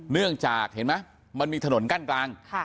เนื่องจากเห็นไหมมันมีถนนกั้นกลาง